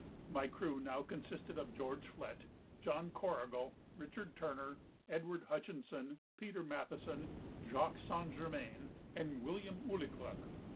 My crew now consisted of George Flett, John Corrigal, Richard Turner, Edward Hutchison, Peter Mathieson, Jacques St. Germain, and William Ouligbuck.